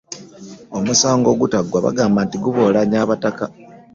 Omusango ogutaggwa bagamba mbu guboolanya abataka.